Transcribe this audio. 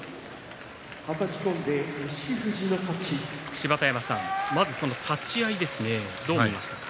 芝田山さん、立ち合いどう見ましたか。